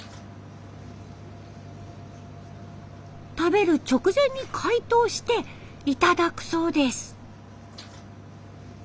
食べる直前に解凍して頂くそうです。